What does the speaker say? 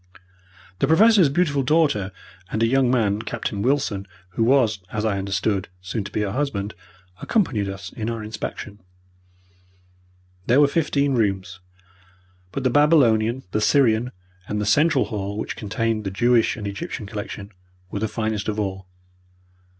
The Professor's beautiful daughter and a young man, Captain Wilson, who was, as I understood, soon to be her husband, accompanied us in our inspection. There were fifteen rooms, but the Babylonian, the Syrian, and the central hall, which contained the Jewish and Egyptian collection, were the finest of all.